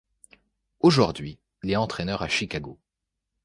Aujourd'hui, il est entraîneur à Chicago.